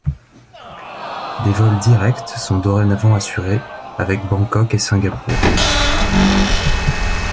Des vols directs sont dorénavant assurés avec Bangkok et Singapour.